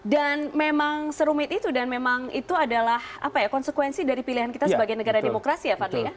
dan memang serumit itu dan memang itu adalah konsekuensi dari pilihan kita sebagai negara demokrasi ya fadli ya